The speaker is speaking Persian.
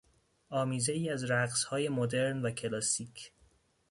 آمیزهای از رقصهای مدرن و کلاسیک